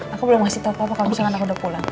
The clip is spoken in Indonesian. aku belum ngasih tau papa kalau misalnya aku udah pulang